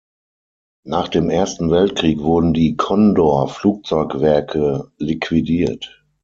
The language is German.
Nach dem Ersten Weltkrieg wurden die Kondor-Flugzeugwerke liquidiert.